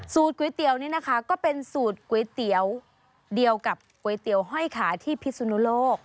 ก๋วยเตี๋ยวนี่นะคะก็เป็นสูตรก๋วยเตี๋ยวเดียวกับก๋วยเตี๋ยวห้อยขาที่พิสุนุโลก